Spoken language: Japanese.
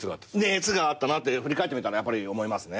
熱があったなって振り返ってみたらやっぱり思いますね。